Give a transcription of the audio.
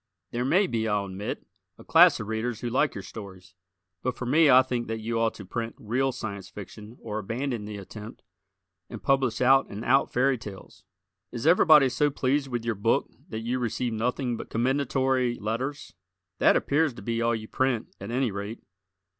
There may be, I'll admit, a class of Readers who like your stories, but for me I think that you ought to print real Science Fiction or abandon the attempt and publish out and out fairy tales. Is everybody so pleased with your book that you receive nothing but commendatory letters? That appears to be all you print, at any rate.